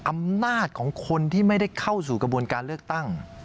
อำนาจของคนที่ไม่ได้เข้าสู่กระบวนการเลือกตั้ง